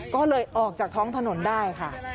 ก็เลยออกจากท้องถนนได้ค่ะ